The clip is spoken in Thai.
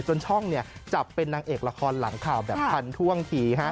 จนช่องจับเป็นนางเอกละครหลังข่าวแบบทันท่วงที